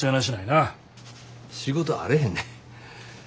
仕事あれへんねん。